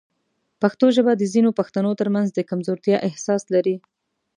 پښتو ژبه د ځینو پښتنو ترمنځ د کمزورتیا احساس لري.